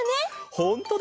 ほんとだ。